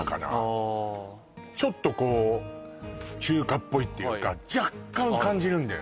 ちょっとこう中華っぽいっていうか若干感じるんだよね